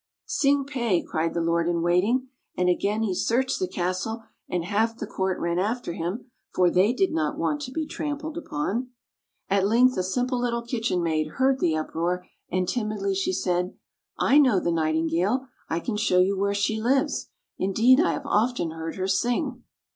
" "Tsing pe!" cried the lord in waiting; and again he searched the castle, and half the court ran after him — for they did not want to be trampled upon. [ 42 ] THE NIGHTINGALE At length a simple little kitchen maid heard the uproar, and timidly she said, " I know the Nightingale. I can show you where she lives. Indeed, I have often heard her sing."